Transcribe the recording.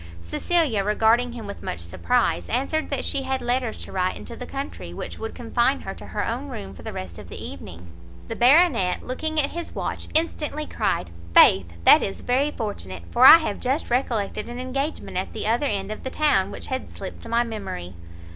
Cecilia, regarding him with much surprise, answered that she had letters to write into the country, which would confine her to her own room for the rest of the evening. The Baronet, looking at his watch, instantly cried, "Faith, that is very fortunate, for I have just recollected an engagement at the other end of the town which had slipt my memory."